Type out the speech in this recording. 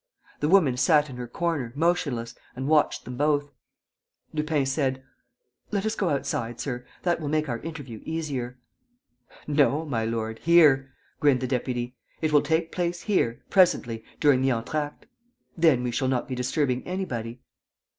The woman sat in her corner, motionless, and watched them both. Lupin said: "Let us go outside, sir. That will make our interview easier." "No, my lord, here," grinned the deputy. "It will take place here, presently, during the entr'acte. Then we shall not be disturbing anybody."